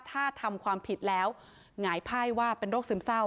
ถ้าทำความผิดแล้วหงายไพ่ว่าเป็นโรคซึมเศร้า